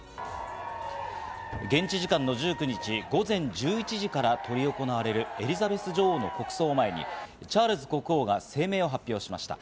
現地時間の１９日午前１１時から執り行われるエリザベス女王の国葬を前にチャールズ国王が声明を発表しました。